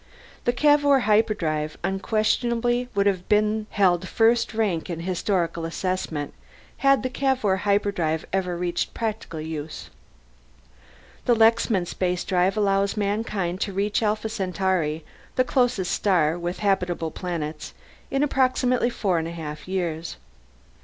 The Cavour Hyperdrive unquestionably would have held first rank in any historical assessment, had the Cavour Hyperdrive ever reached practical use. The Lexman Spacedrive allows mankind to reach Alpha Centauri, the closest star with habitable planets, in approximately four and a half years.